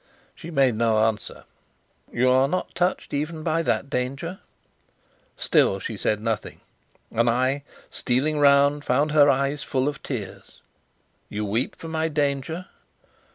She made no answer. "You are not touched even by that danger?" Still she said nothing; and I, stealing round, found her eyes full of tears. "You weep for my danger?"